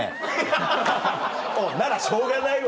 ハハハハならしょうがないわ！